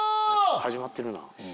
始まってるな。